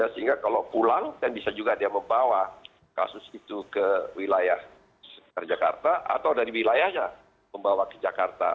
sehingga kalau pulang dan bisa juga dia membawa kasus itu ke wilayah jakarta atau dari wilayahnya membawa ke jakarta